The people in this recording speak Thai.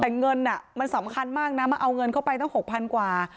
แต่เงินมันสำคัญมากนะมาเอาเงินเข้าไปตั้ง๖๐๐๐กว่า